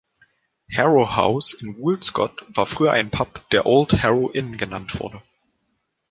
„Harrow House“ in Woolscott war früher ein Pub, der „Old Harrow Inn“ genannt wurde.